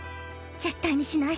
絶対にしない！